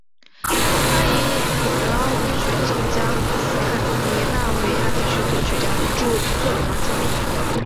他以演绎德奥作曲家和斯堪的纳维亚地区作曲家的作品而著名。